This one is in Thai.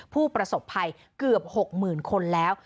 ผู้ประสบภัยเกือบ๖๐๐๐คนแล้ว